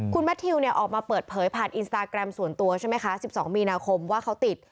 คุณแมททิวเนี่ยออกมาเปิดเผยผ่านอินสตาแกรมส่วนตัวใช่ไหมคะ๑๒มีนาคมว่าเขาติด